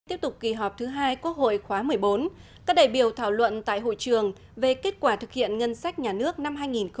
tiếp tục kỳ họp thứ hai quốc hội khóa một mươi bốn các đại biểu thảo luận tại hội trường về kết quả thực hiện ngân sách nhà nước năm hai nghìn một mươi tám